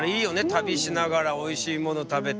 旅しながらおいしいもの食べて。